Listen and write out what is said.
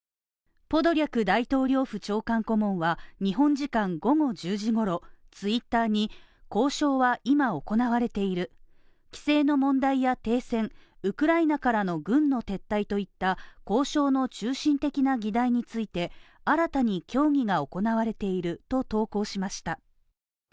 ポドリャク大統領府長官顧問は、日本時間午後１０時ごろ、Ｔｗｉｔｔｅｒに交渉は今行われている、規制の問題や停戦、ウクライナからの軍の撤退といった交渉の中心的な議題について新たに協議が行われていると投稿しました。